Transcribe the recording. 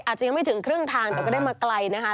อาจจะยังไม่ถึงครึ่งทางแต่ก็ได้มาไกลนะคะ